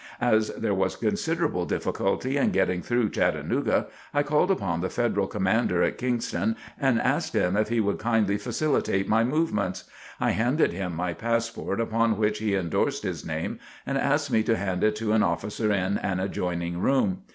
As there was considerable difficulty in getting through Chattanooga, I called upon the Federal Commander at Kingston, and asked him if he would kindly facilitate my movements. I handed him my passport upon which he endorsed his name and asked me to hand it to an officer in an adjoining room.